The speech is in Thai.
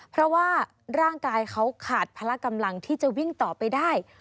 เพราะว่าร่างกายเขาขาดพละกำลังที่จะวิ่งต่อไปได้